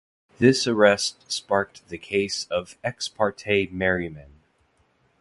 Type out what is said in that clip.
This arrest sparked the case of "Ex parte Merryman".